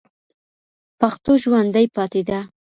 پښتو ژوندۍ پاتې ده.